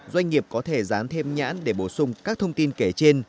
doanh nghiệp có thể dán thêm nhãn để bổ sung các thông tin kể trên